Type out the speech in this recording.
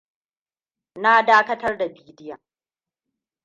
Na dakatar da bidiyon.